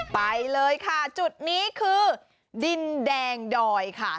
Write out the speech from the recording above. ไปเลยค่ะจุดนี้คือดินแดงดอยค่ะ